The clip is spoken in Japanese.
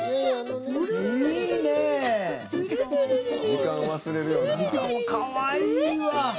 時間忘れるよな。かわいいわ！